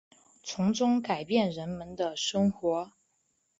从中改变人们生活